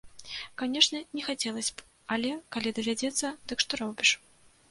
Канешне, не хацелася б, але, калі давядзецца, дык што робіш.